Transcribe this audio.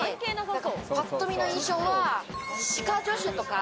ぱっと見の印象は、歯科助手とか。